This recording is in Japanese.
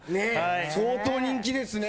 相当人気ですね。